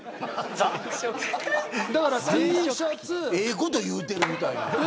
ええこと言ってるみたいな。